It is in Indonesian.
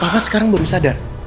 papa sekarang baru sadar